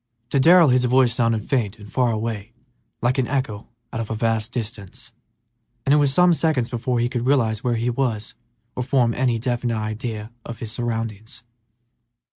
To Darrell his voice sounded faint and far away, like an echo out of a vast distance, and it was some seconds before he could realize where he was or form any definite idea of his surroundings.